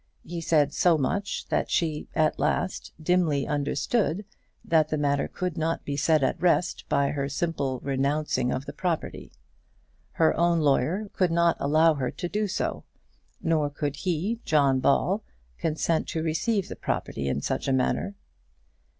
He said so much, that she, at last, dimly understood that the matter could not be set at rest by her simple renouncing of the property. Her own lawyer could not allow her to do so; nor could he, John Ball, consent to receive the property in such a manner.